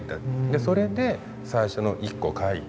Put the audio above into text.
それで最初の１個描いた。